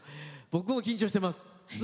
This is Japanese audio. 僕も緊張しています。